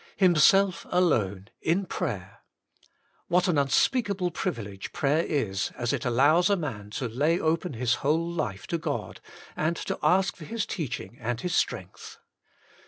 5. Himself Alone, in prayer. What an un speakable privilege prayer is as it allows a man to lay open his whole life to God, and to ask for His teaching and His strength.